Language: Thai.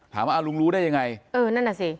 อ่าลุงรู้ได้ยังไงเออนั่นน่ะสิ